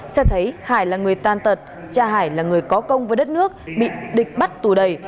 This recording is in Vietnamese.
xét thấy hải là người tan tật cha hải là người có công với đất nước bị địch bắt tù đầy